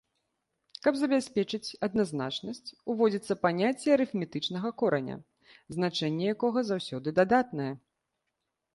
Каб забяспечыць адназначнасць, уводзіцца паняцце арыфметычнага кораня, значэнне якога заўсёды дадатнае.